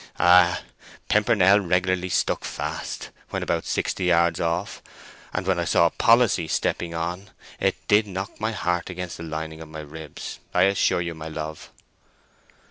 Ay, Pimpernel regularly stuck fast, when about sixty yards off, and when I saw Policy stepping on, it did knock my heart against the lining of my ribs, I assure you, my love!"